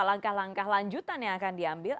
langkah langkah lanjutan yang akan diambil